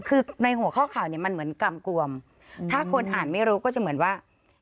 คือในหัวข้อข่าวเนี่ยมันเหมือนกำกวมถ้าคนอ่านไม่รู้ก็จะเหมือนว่า